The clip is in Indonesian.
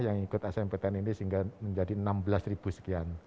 yang ikut smp tn ini sehingga menjadi enam belas ribu sekian